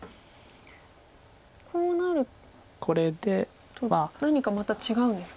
こうなると何かまた違うんですか？